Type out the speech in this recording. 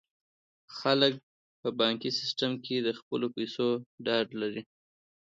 خلک په بانکي سیستم کې د خپلو پیسو ډاډ لري.